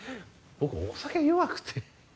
僕お酒弱くて